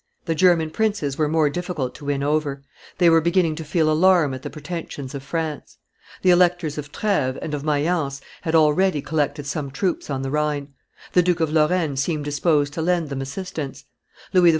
The German princes were more difficult to win over; they were beginning to feel alarm at the pretensions of France. The electors of Treves and of Mayence had already collected some troops on the Rhine; the Duke of Lorraine seemed disposed to lend them assistance; Louis XIV.